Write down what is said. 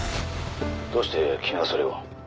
「どうして君がそれを？」